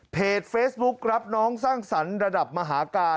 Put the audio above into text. เพจเฟซบุ๊กรับน้องสร้างสรรค์ระดับมหาการ